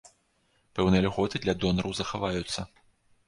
Пэўныя льготы для донараў захаваюцца.